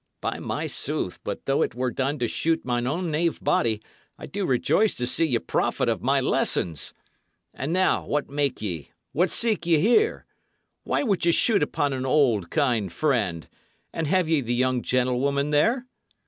By my sooth, but, though it was done to shoot my own knave body, I do rejoice to see ye profit of my lessons! And now, what make ye? what seek ye here? Why would ye shoot upon an old, kind friend? And have ye the young gentlewoman there?"